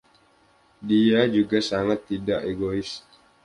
Dia juga sangat tidak egois.